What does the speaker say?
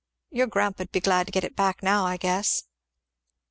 Your grandpa'd be glad to get it back now, I guess."